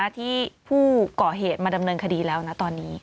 ที่ผู้ก่อเหตุมาดำเนินคดีแล้วนะตอนนี้